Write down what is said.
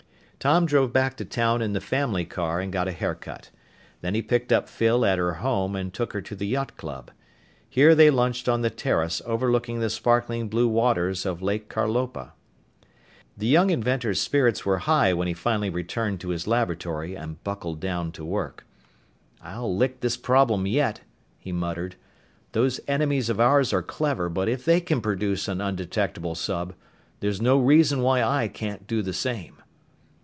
Tom drove back to town in the family car and got a haircut. Then he picked up Phyl at her home and took her to the yacht club. Here they lunched on the terrace overlooking the sparkling blue waters of Lake Carlopa. The young inventor's spirits were high when he finally returned to his laboratory and buckled down to work. "I'll lick this problem yet," he muttered. "Those enemies of ours are clever, but if they can produce an undetectable sub, there's no reason why I can't do the same."